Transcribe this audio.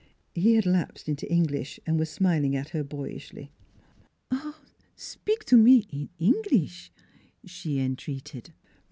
He had lapsed into English and was smiling at her boyishly. " Spik to me in Englis'," she entreated.